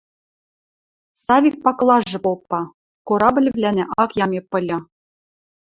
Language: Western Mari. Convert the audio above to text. – Савик пакылажы попа, – корабльвлӓнӓ ак ямеп ыльы.